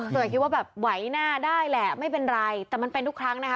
ก็เลยคิดว่าแบบไหวหน้าได้แหละไม่เป็นไรแต่มันเป็นทุกครั้งนะคะ